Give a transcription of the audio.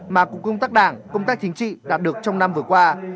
mà cục công tác đảng công tác chính trị đạt được trong năm vừa qua